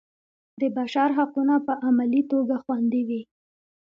د بشر حقونه په عملي توګه خوندي وي.